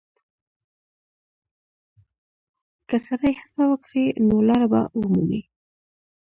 که سړی هڅه وکړي، نو لاره به ومومي.